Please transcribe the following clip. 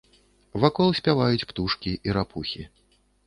Вакол спяваюць птушкі і рапухі.